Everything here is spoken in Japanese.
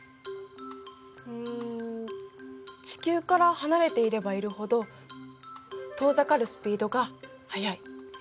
うん地球から離れていればいるほど遠ざかるスピードが速い。